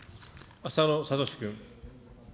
浅野哲君。